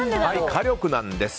火力なんです。